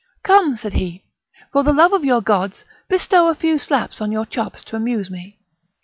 "Come!" said he, "for the love of your gods bestow a few slaps on your chops to amuse me."